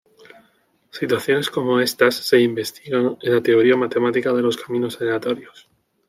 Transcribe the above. Situaciones como estas se investigan en la teoría matemática de los caminos aleatorios.